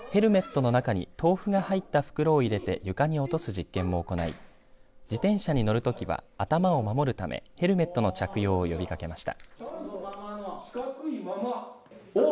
またヘルメットの中に豆腐が入った袋を入れて床に落とす実験も行い自転車に乗るときは頭を守るためヘルメットの着用を呼びかけました。